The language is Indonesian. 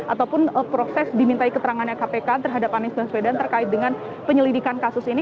ataupun proses dimintai keterangannya kpk terhadap anies baswedan terkait dengan penyelidikan kasus ini